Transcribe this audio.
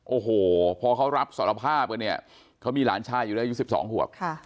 โอ้โหพอเขารับสารภาพกันเนี่ยเขามีหลานชายอยู่แล้วอายุ๑๒ขวบ